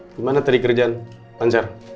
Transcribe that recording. gimana tadi kerjaan lancar